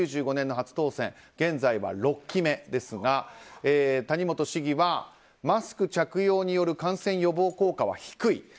９５年の初当選現在は６期目ですが谷本市議はマスク着用による感染予防効果は低い。